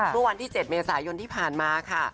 เมื่อวันที่๗เมษายนที่ผ่านมาค่ะ